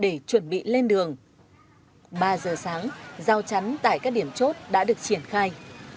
để chuẩn bị lên đường ba giờ sáng giao chắn tại các điểm chốt đã được triển khai